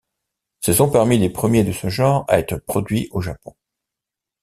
Ce sont parmi les premiers de ce genre à être produit au Japon.